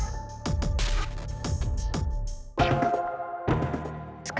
tidak ada yang mengaku